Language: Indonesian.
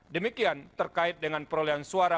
demikian terkait dengan perolehan suara